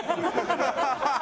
ハハハハ！